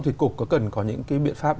thì cục có cần có những biện pháp